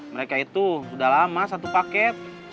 mereka itu sudah lama satu paket